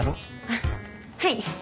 あっはい。